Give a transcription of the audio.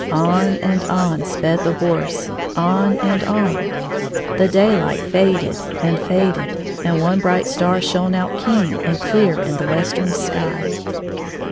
On and on sped the horse, on and on. The daylight faded and faded, and one bright star shone out keen and clear in the western sky.